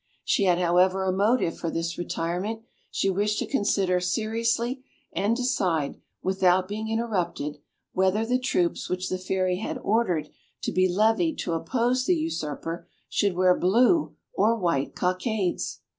She had, however, a motive for this retirement: she wished to consider seriously and decide, without being interrupted, whether the troops which the Fairy had ordered to be levied to oppose the usurper should wear blue or white cockades.